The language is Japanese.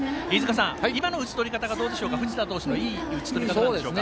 今の打ち取り方は藤田投手のいい打ち取り方でしょうか？